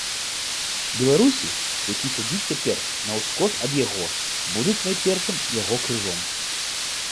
Беларусі, які сядзіць цяпер наўскос ад яго, будуць найпершым яго крыжом.